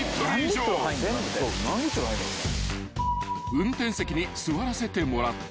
［運転席に座らせてもらった］